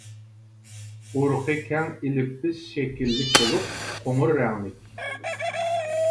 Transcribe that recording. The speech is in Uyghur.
ئۇرۇقى كەڭ ئېللىپىس شەكىللىك بولۇپ، قوڭۇر رەڭلىك.